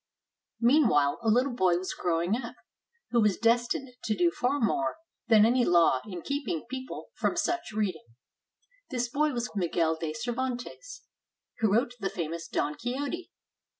Meanwhile, a little boy was growing up, who was destined to do far more than any law in keeping people from such reading. This boy was Miguel de Cervantes, who wrote the famous "Don Quixote."